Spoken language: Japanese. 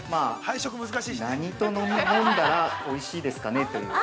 ◆何と飲んだらおいしいですかねという。